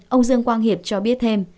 ông dương quang hiệp cho biết thêm